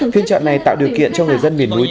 phiên chợ này tạo điều kiện cho người dân miền núi